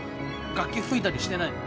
楽器吹いたりしてないの？